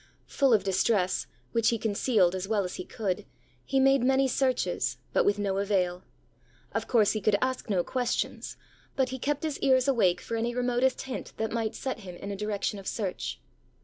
Full of distress, which he concealed as well as he could, he made many searches, but with no avail. Of course he could ask no questions; but he kept his ears awake for any remotest hint that might set him in a direction of search.